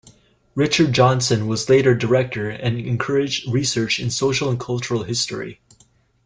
Richard Johnson was later director and encouraged research in social and cultural history.